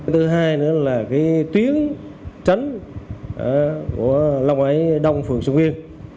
thứ hai nữa là tuyến tránh của lòng ái đông phường sông nguyên